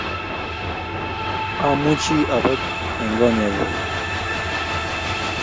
Amuchi apet eng konyekuk